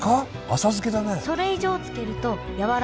浅漬けだね。